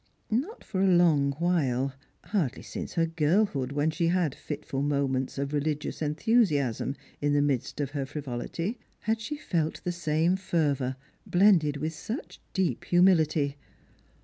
Not for a long while — hardly since her girlhood, when she had had fitful moments of religious enthusiasm in the midst of her frivolity — had she felt the same fervour, blended with such deep humility.